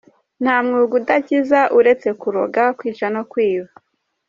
Nta mwuga udakiza uretse kuroga, kwica no kwiba.